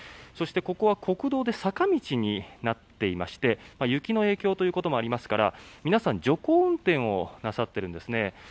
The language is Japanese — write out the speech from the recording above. そして、ここは国道で坂道になっていまして雪の影響というのもありますから皆さん、徐行運転をなさっているんですね。